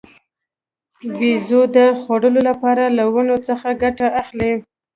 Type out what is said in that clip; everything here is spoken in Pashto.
بیزو د خوړو لپاره له ونو څخه ګټه اخلي.